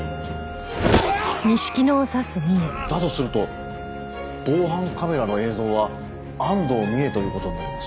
ぐわっ！だとすると防犯カメラの映像は安藤美絵という事になります。